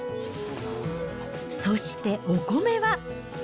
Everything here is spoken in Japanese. そしてお米は。